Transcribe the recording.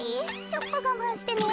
ちょっとがまんしてね。